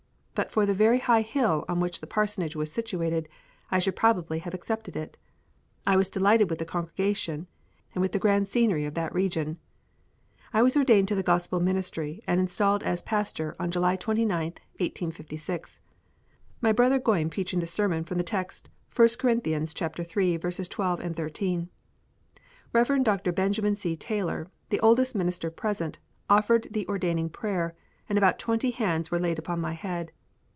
But for the very high hill on which the parsonage was situated I should probably have accepted. I was delighted with the congregation, and with the grand scenery of that region. I was ordained to the Gospel Ministry and installed as pastor July 29th, 1856, my brother Goyn preaching the sermon from the text, First Corinthians iii. 12, 13. Reverend Dr. Benjamin C. Taylor, the oldest minister present, offered the ordaining prayer, and about twenty hands were laid upon my head.